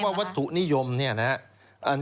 วัตถุนิยมเนี่ยนะครับ